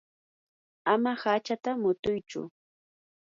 ama hachata mutuychu.